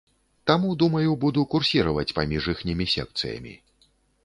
Таму, думаю, буду курсіраваць паміж іхнімі секцыямі.